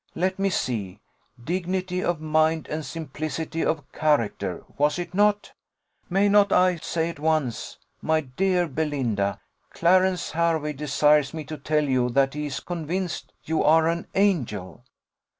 Let me see 'Dignity of mind and simplicity of character,' was not it? May not I say at once, 'My dear Belinda, Clarence Hervey desires me to tell you that he is convinced you are an angel?